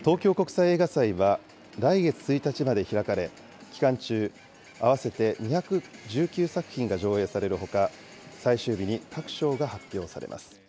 東京国際映画祭は来月１日まで開かれ、期間中、合わせて２１９作品が上映されるほか、最終日に各賞が発表されます。